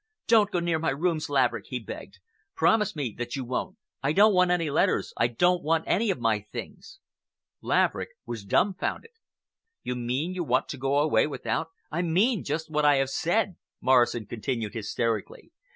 "Don't go near my rooms, Laverick!" he begged. "Promise me that you won't! I don't want any letters! I don't want any of my things!" Laverick was dumfounded. "You mean you want to go away without—" "I mean just what I have said," Morrison continued hysterically.